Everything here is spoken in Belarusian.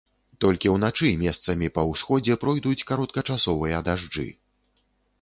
Толькі ўначы месцамі па ўсходзе пройдуць кароткачасовыя дажджы.